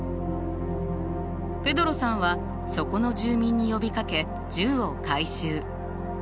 ペドロさんはそこの住民に呼びかけ銃を回収。